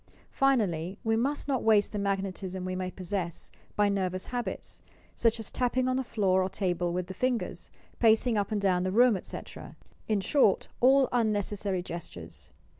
Finally, we must not waste the magnetism we may possess by nervous habits,— such as tapping on the floor or table with the fingers, pacing up and down the room, etc., — in short, all unnecessary gestures.